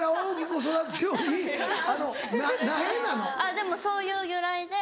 でもそういう由来で。